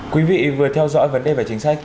quý vị vừa theo dõi vấn đề về chính sách